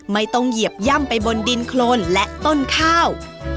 เหยียบย่ำไปบนดินโครนและต้นข้าว